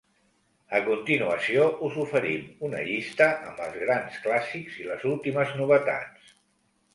A continuació, us oferim una llista amb els grans clàssics i les últimes novetats.